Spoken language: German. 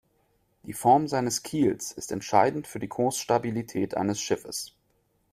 Die Form seines Kiels ist entscheidend für die Kursstabilität eines Schiffes.